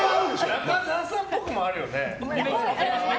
中沢さんっぽくもあるよね。